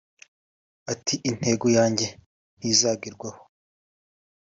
ati “ Intego yanjye ntizagerwaho